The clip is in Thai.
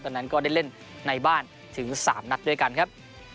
ตอนนั้นก็ได้เล่นในบ้านถึง๓นัดด้วยกันครับ